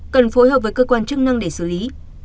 cần phối hợp với cơ quan chức năng để xử lý